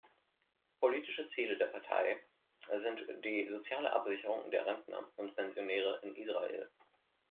Politische Ziele der Partei sind die soziale Absicherung der Rentner und Pensionäre in Israel.